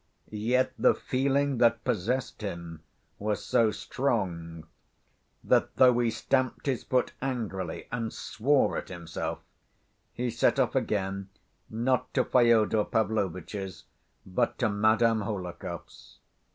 Yet the feeling that possessed him was so strong, that though he stamped his foot angrily and swore at himself, he set off again, not to Fyodor Pavlovitch's but to Madame Hohlakov's.